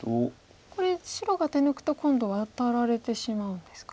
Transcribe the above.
これ白が手抜くと今度ワタられてしまうんですか。